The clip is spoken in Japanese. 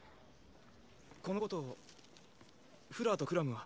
このことをフラーとクラムは？